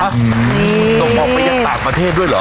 ส่งออกไปยังต่างประเทศด้วยเหรอ